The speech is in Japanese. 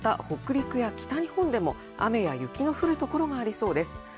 北陸や北日本も雪の降る所がありそうです。